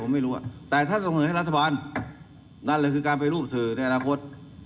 มาลังคุณคุ้มมาต่อ